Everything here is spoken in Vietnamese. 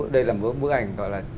đây là một bức ảnh gọi là